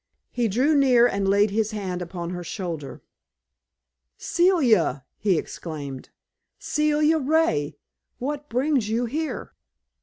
He drew near and laid his hand upon her shoulder. "Celia!" he exclaimed. "Celia Ray, what brings you here?"